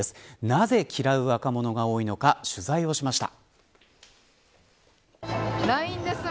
なぜ、嫌う若者が多いのか取材をしました。